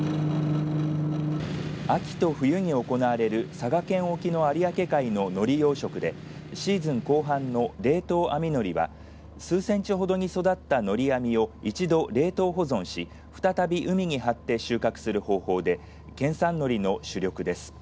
秋と冬に行われる佐賀県沖の有明海ののり養殖でシーズン後半の冷凍網のりは数センチほどに育ったのり網を一度、冷凍保存し再び海に張って収穫する方法で県産のりの主力です。